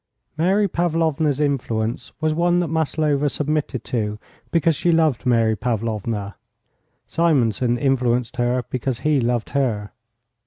Mary Pavlovna's influence was one that Maslova submitted to because she loved Mary Pavlovna. Simonson influenced her because he loved her.